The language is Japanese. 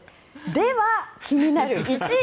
では、気になる１位。